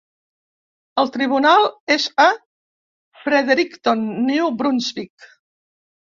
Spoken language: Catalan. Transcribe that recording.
El tribunal és a Fredericton, New Brunswick.